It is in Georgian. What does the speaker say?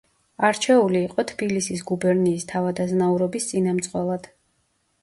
არჩეული იყო თბილისის გუბერნიის თავადაზნაურობის წინამძღოლად.